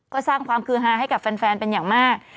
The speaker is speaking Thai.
ก็สร้างความคือฮาให้กับแฟนเป็นอย่างมาก